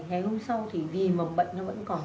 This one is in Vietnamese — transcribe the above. ngày hôm sau thì vì mầm bệnh nó vẫn còn